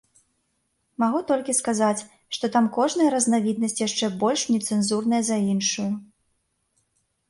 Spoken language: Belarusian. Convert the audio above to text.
Магу толькі сказаць, што там кожная разнавіднасць яшчэ больш нецэнзурная за іншую.